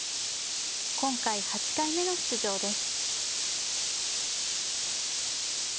今回８回目の出場です。